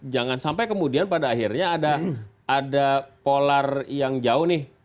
jangan sampai kemudian pada akhirnya ada polar yang jauh nih